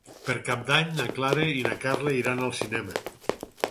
Per Cap d'Any na Clara i na Carla iran al cinema.